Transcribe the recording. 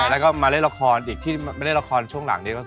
ใช่แล้วก็มาเล่นละครอีกที่ไม่เล่นละครช่วงหลังนี้